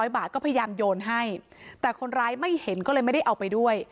บาทก็พยายามโยนให้แต่คนร้ายไม่เห็นก็เลยไม่ได้เอาไปด้วย